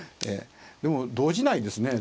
でも動じないですね